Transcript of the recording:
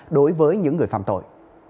đối với những người phạm tội